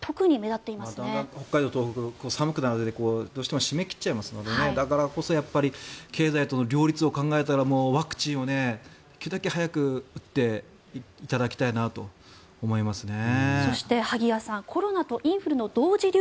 だんだん北海道、東北寒くなってどうしても閉め切っちゃいますのでだからこそ経済との両立を考えたらワクチンをできるだけ早く打っていただきたいなと思いますね。